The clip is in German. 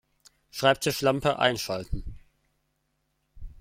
Schreibtischlampe einschalten